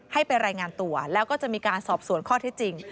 ให้ไปรายงานตัวแล้วก็จะมีการสอบสวนข้อที่จริง